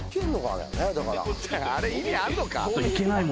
あれ意味あんのか？